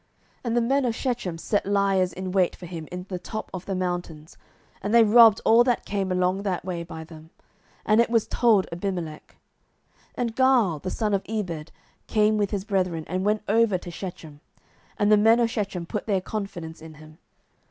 07:009:025 And the men of Shechem set liers in wait for him in the top of the mountains, and they robbed all that came along that way by them: and it was told Abimelech. 07:009:026 And Gaal the son of Ebed came with his brethren, and went over to Shechem: and the men of Shechem put their confidence in him.